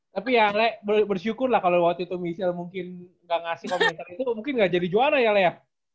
tapi yang le bersyukur lah kalau waktu itu michelle mungkin nggak ngasih komentar itu mungkin gak jadi juara ya lea